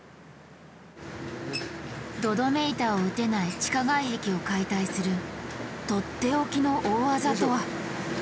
土留め板を打てない地下外壁を解体する「とっておきの大技」とは？